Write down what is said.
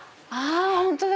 本当だ！